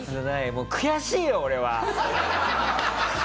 もう悔しいよ俺は。